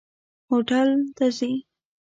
هوټل ته ځئ؟